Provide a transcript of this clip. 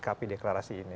tapi deklarasi ini